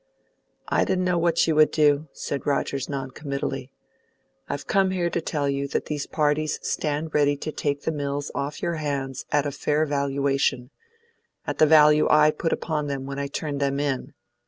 "I didn't know what you would do," said Rogers non committally. "I've come here to tell you that these parties stand ready to take the mills off your hands at a fair valuation at the value I put upon them when I turned them in."